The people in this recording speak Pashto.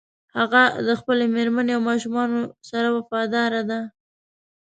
هغه د خپلې مېرمنې او ماشومانو سره وفاداره ده